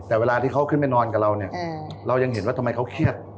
แต่เวลาที่เขาขึ้นไปนอนกับเราเนี่ยเรายังเห็นว่าทำไมเขาเครียด